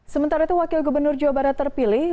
sementara itu wakil gubernur jawa barat terpilih